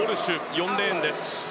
４レーンです。